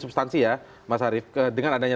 substansi ya mas arief dengan adanya